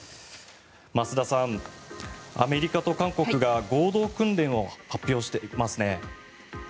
増田さん、アメリカと韓国が合同訓練を発表していますね。